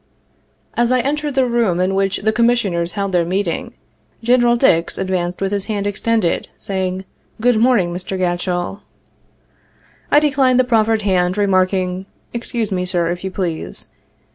" As I entered the room in which the Commissioners held their meeting, Genl. Dix advanced with his hand extended, saying, 'good morning, Mr. Gatchell.' I declined the proffered hand, remarking, 'excuse mc, Sir, if you please.'